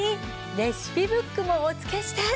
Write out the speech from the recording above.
レシピブックもお付けして。